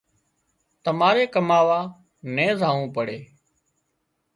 تماري ڪماوا نين زاوون پڙي